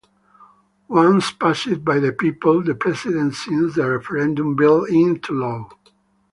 Once passed by the people the President signs the referendum bill into law.